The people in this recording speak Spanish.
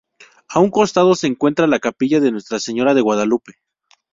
A un costado se encuentra la capilla Nuestra Señora de Guadalupe.